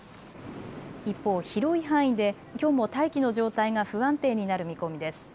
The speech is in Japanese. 一方、広い範囲できょうも大気の状態が不安定になる見込みです。